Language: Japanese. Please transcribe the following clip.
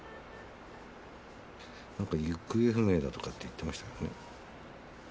なんか行方不明だとかって言ってましたけどね。